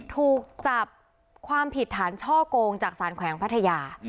ถูกจับความผิดฐานช่อกงจากสารแขวงพัทยา